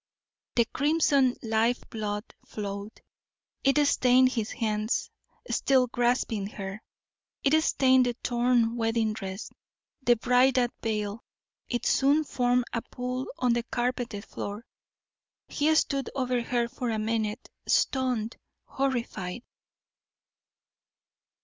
The crimson life blood flowed it stained his hands, still grasping her it stained the torn wedding dress, the bridal veil it soon formed a pool on the carpeted floor. He stood over her for a minute, stunned, horrified.